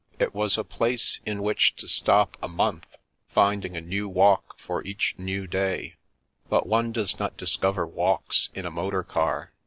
It was a place in which to stop a month, finding a new walk for each new day; but one does not discover walks in a motor car.